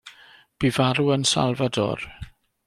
Bu farw yn Salvador.